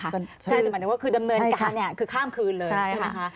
ใช่จะหมายถึงว่าคือดำเนินการคือข้ามคืนเลยใช่ไหมคะ